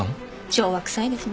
昭和くさいですね。